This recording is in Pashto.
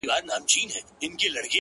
ددې ښـــــار څــــو ليونـيـو!